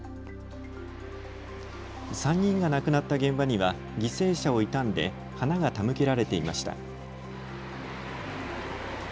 ３人が亡くなった現場には犠牲者を悼んで花が手向けられていました。